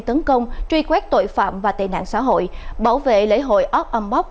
tấn công truy quét tội phạm và tệ nạn xã hội bảo vệ lễ hội ốc âm bóc